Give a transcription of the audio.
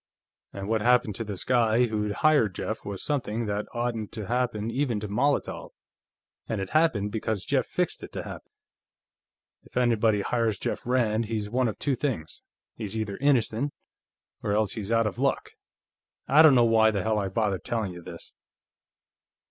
And what happened to this guy who'd hired Jeff was something that oughtn't to happen even to Molotov, and it happened because Jeff fixed it to happen. If anybody hires Jeff Rand, he's one of two things. He's either innocent, or else he's out of luck.... I don't know why the hell I bother telling you this."